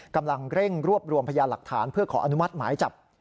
กำลังเร่งรวบรวมพยานหลักฐานเพื่อขออนุมัติหมายจับ